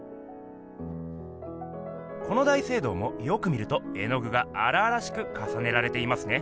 この大聖堂もよく見ると絵具があらあらしくかさねられていますね。